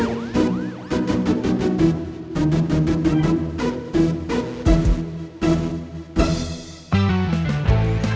gak usah nge subscribe ya